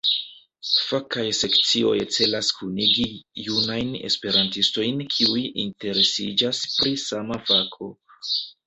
Fakaj sekcioj celas kunigi junajn Esperantistojn kiuj interesiĝas pri sama fako.